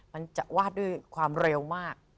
มันจะวาดด้วยความเร็วมาก